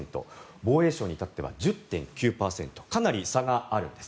防衛省に至っては１０．９％かなり差があるんです。